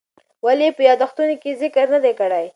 ولې یې په یادښتونو کې ذکر نه دی کړی؟